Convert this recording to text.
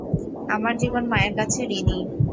আমার জীবন মায়ের কাছে ঋণী।